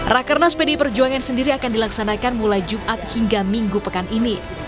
rakernas pdi perjuangan sendiri akan dilaksanakan mulai jumat hingga minggu pekan ini